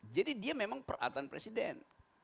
jadi dia memang peralatan presiden